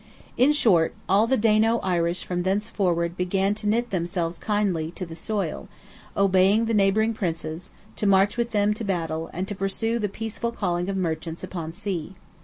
In short, all the Dano Irish from thenceforward began to knit themselves kindly to the soil, to obey the neighbouring Princes, to march with them to battle, and to pursue the peaceful calling of merchants, upon sea.